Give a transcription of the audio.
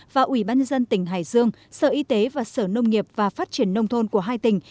và ủy ban nhân dân tỉnh hải dương sở y tế và sở nông nghiệp và phát triển nông thôn của hai tỉnh